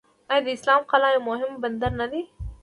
آیا اسلام قلعه یو مهم بندر نه دی؟